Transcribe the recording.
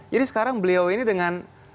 jadi sekarang beliau ini dengan